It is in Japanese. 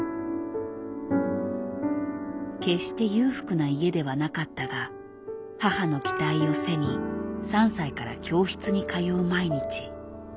決して裕福な家ではなかったが母の期待を背に３歳から教室に通う毎日。